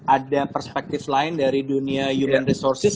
ada perspektif lain dari dunia human resources